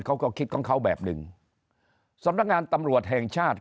เขาก็คิดของเขาแบบหนึ่งสำนักงานตำรวจแห่งชาติ